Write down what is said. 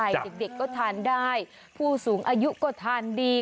น้องบอกว่าอุ๊ยแรงนก